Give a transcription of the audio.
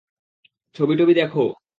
ছবি টবি দেখো।